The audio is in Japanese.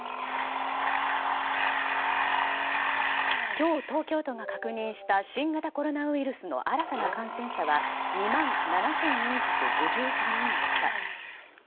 今日東京都が確認した新型コロナウイルスの新たな感染者は２万７４５３人でした。